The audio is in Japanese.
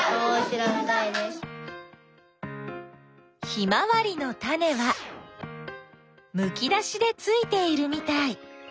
ヒマワリのタネはむき出しでついているみたい。